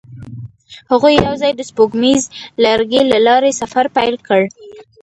هغوی یوځای د سپوږمیز لرګی له لارې سفر پیل کړ.